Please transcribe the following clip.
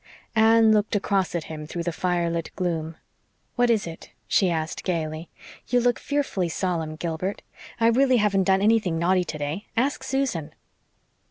Anne looked across at him through the fire lit gloom. "What is it?" she asked gaily. "You look fearfully solemn, Gilbert. I really haven't done anything naughty today. Ask Susan."